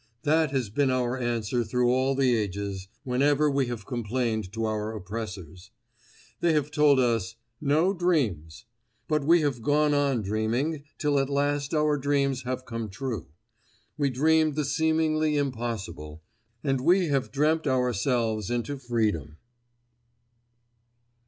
That has been our answer through all the ages, whenever we have complained to our oppressors. They have told us, 'No dreams;' but we have gone on dreaming till at last our dreams have come true. We dreamed the seemingly impossible; and we have dreamt ourselves into freedom."